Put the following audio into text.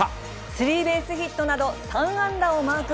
スリーベースヒットなど、３安打をマーク。